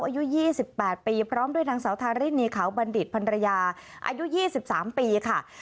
อายุ๒๘ปีพร้อมด้วยนางสาวทารินีเขาบัณฑิตพันรยาอายุ๒๓ปีค่ะ